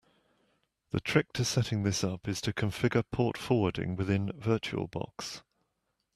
The trick to setting this up is to configure port forwarding within Virtual Box.